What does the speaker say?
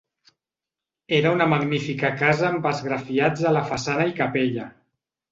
Era una magnífica casa amb esgrafiats a la façana i capella.